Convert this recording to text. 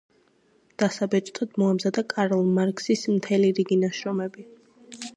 დასაბეჭდად მოამზადა კარლ მარქსის მთელი რიგი ნაშრომები.